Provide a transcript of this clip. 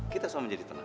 kita semua menjadi tenang